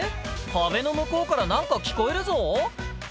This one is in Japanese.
壁の向こうからなんか聞こえるぞ。